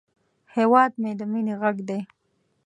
هیواد مې د مینې غږ دی